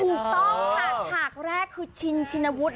ถูกต้องค่ะฉากแรกคือชินชินวุฒิ